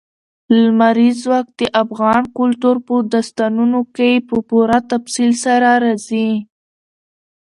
لمریز ځواک د افغان کلتور په داستانونو کې په پوره تفصیل سره راځي.